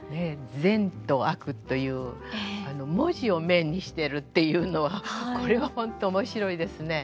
善と悪という文字を面にしてるっていうのはこれは本当面白いですね。